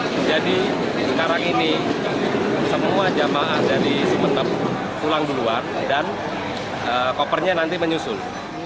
sekarang ini semua jemaah dari sementara pulang keluar dan kopernya nanti menyusul